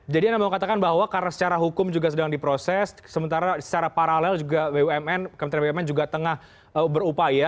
jadi anda mau katakan bahwa karena secara hukum juga sedang diproses sementara secara paralel juga bumn kementerian bumn juga tengah berupaya